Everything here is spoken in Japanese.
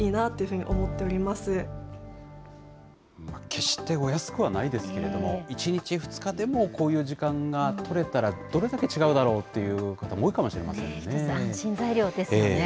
決してお安くはないですけれども、１日、２日でも、こういう時間が取れたら、どれだけ違うだろうという方も多いかもしれませんね。